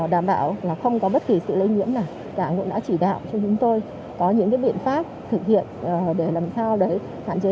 đảm bảo là không có bất kỳ sự lây nhiễm nào cả cũng đã chỉ đạo cho chúng tôi có những biện pháp thực hiện để làm sao để hạn chế